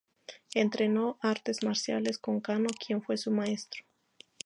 Entrenó artes marciales con Kano, quien fue su maestro.